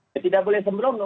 ya tidak boleh sembrono